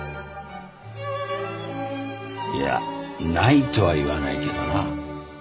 いやないとは言わないけどな。